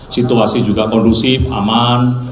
situasi juga kondusif aman